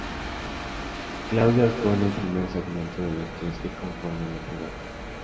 Claudio actuó en el primer segmento de los tres que conforman el programa.